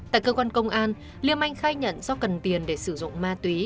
tại cơ quan công an liêm anh khai nhận do cần tiền để sử dụng ma túy